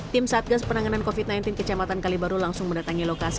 tim satgas penanganan covid sembilan belas kecamatan kalibaru langsung mendatangi lokasi